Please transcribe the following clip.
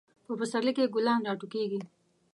په پسرلی کې ګلان راټوکیږي.